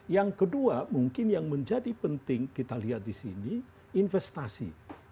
yang kedua mungkin yang menjadi penting kita lihat di sini investasi